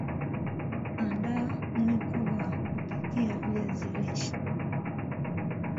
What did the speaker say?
andaa mwiko wa kupikia viazi lishe